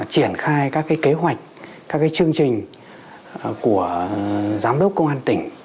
triển khai các cái kế hoạch các cái chương trình của giám đốc công an tỉnh